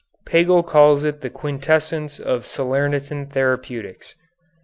Pagel calls it the quintessence of Salernitan therapeutics.